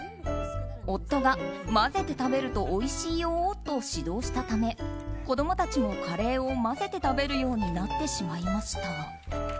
夫が混ぜて食べるとおいしいよと指導したため、子供たちもカレーを混ぜて食べるようになってしまいました。